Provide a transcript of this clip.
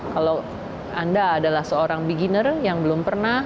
kalau anda adalah seorang beginner yang belum pernah